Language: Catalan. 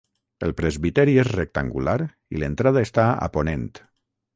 El presbiteri és rectangular i l'entrada està a ponent.